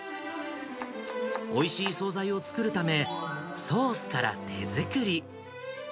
おいしい総菜を作るため、ソースから手作り。